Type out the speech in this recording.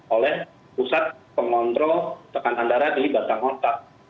oleh pusat pengontrol tekanan darah di batang otak